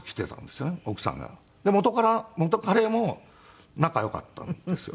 元彼も仲良かったんですよ。